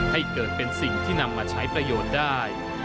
ให้เกิดเป็นสิ่งที่นำมาใช้ประโยชน์ได้